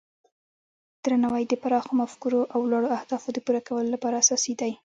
درناوی د پراخو مفکورو او لوړو اهدافو د پوره کولو لپاره اساسي دی.